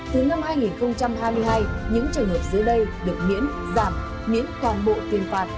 từ năm hai nghìn hai mươi hai những trường hợp dưới đây được miễn giảm miễn toàn bộ tiền phạt